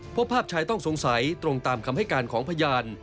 พบภาพชายต้องสงสัยตรงตามคำให้การของพยาน